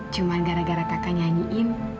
cuma gara gara kakak nyanyiin